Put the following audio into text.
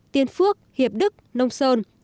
tiên phước hiệp đức nông sơn